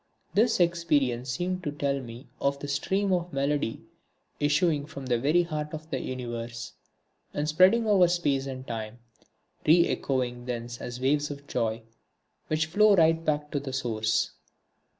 This experience seemed to tell me of the stream of melody issuing from the very heart of the universe and spreading over space and time, re echoing thence as waves of joy which flow right back to the source.